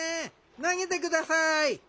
投げてください！